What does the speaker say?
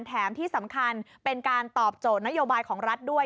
แถมที่สำคัญเป็นการตอบโจทย์นโยบายของรัฐด้วย